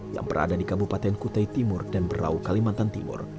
yang berada di kabupaten kutai timur dan berau kalimantan timur